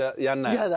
嫌だ。